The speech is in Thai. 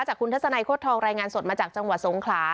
คุณทัศนัยโค้ดทองรายงานสดมาจากจังหวัดสงขลา